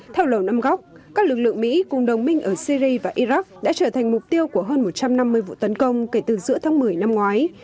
theo lầu năm góc các lực lượng mỹ cùng đồng minh ở syri và iraq đã trở thành mục tiêu của hơn một trăm năm mươi vụ tấn công kể từ giữa tháng một mươi năm ngoái